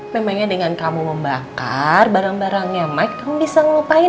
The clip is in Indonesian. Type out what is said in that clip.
memangnya dengan kamu membakar barang barangnya mike kamu bisa ngelupain